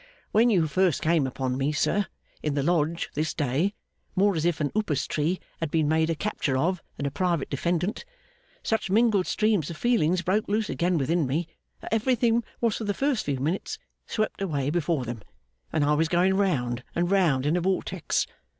'When you first came upon me, sir, in the Lodge, this day, more as if a Upas tree had been made a capture of than a private defendant, such mingled streams of feelings broke loose again within me, that everything was for the first few minutes swept away before them, and I was going round and round in a vortex.